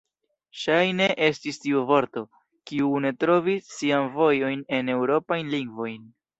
Ŝajne estis tiu vorto, kiu unue trovis sian vojon en eŭropajn lingvojn.